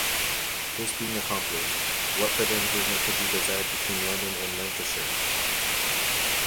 This being accomplished, what further improvement could be desired between London and Lancashire?